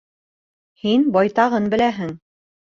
Һин байтағын беләһең.